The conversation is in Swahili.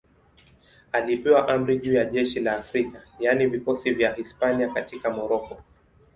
Alipewa amri juu ya jeshi la Afrika, yaani vikosi vya Hispania katika Moroko.